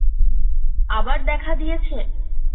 আবার দেখা দিয়েছে?